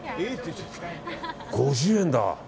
５０円だ。